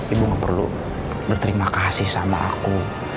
ibu gak perlu berterima kasih sama aku